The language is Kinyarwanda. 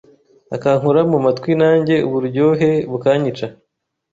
akankora mu matwi nanjye uburyohe bukanyica